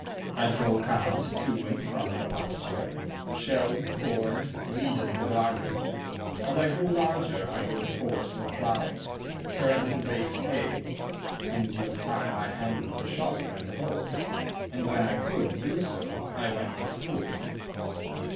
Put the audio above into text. I drove cows to and from the pasture, shelled corn, weeded the garden; as I grew larger, I rode horse for ploughing, turned and raked hay; in due time I handled the shovel and the hoe, and when I could do so I went to school.